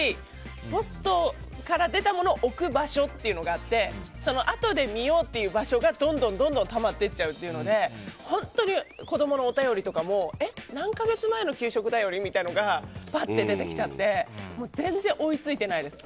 ポストから出たものを置く場所があってあとで見ようという場所がどんどんたまってっちゃうっていうので本当に子供のお便りとかもえ、何か月前の給食だより？みたいなのがバッと出てきちゃって全然追いついていないです。